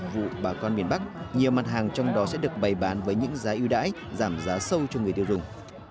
vụ bà con miền bắc nhiều mặt hàng trong đó sẽ được bày bán với những giá ưu đãi giảm giá sâu cho người tiêu dùng